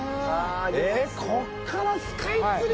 えっここからスカイツリー？